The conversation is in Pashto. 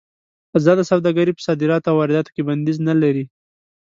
ازاده سوداګري په صادراتو او وارداتو کې بندیز نه لري.